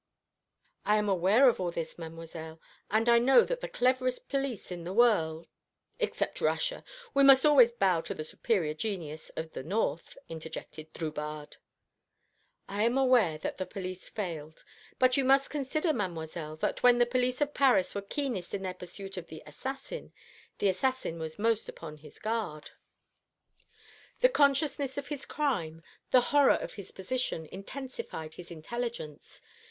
"I am aware of all this, Mademoiselle, and I know that the cleverest police in the world " "Except Russia. We must always bow to the superior genius of the north," interjected Drubarde. "I am aware that the police failed. But you must consider, Mademoiselle, that when the police of Paris were keenest in their pursuit of the assassin, the assassin was most upon his guard. The consciousness of his crime, the horror of his position, intensified his intelligence.